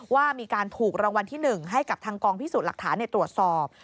ว่ามีการถูกรางวัลที่๑ให้กับทางกองพิสูจน์หลักฐานตรวจสอบ